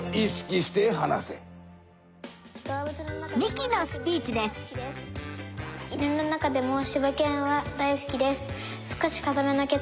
ミキのスピーチです。